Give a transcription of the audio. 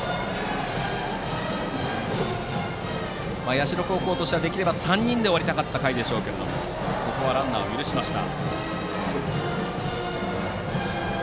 社高校としてはできれば３人で終わりたかった回でしょうがここはランナーを許しました。